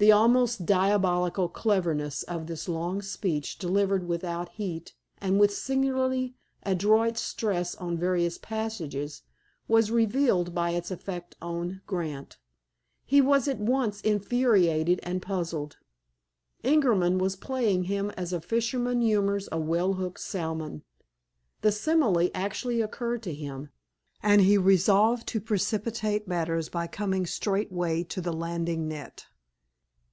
The almost diabolical cleverness of this long speech, delivered without heat and with singularly adroit stress on various passages, was revealed by its effect on Grant. He was at once infuriated and puzzled. Ingerman was playing him as a fisherman humors a well hooked salmon. The simile actually occurred to him, and he resolved to precipitate matters by coming straightway to the landing net.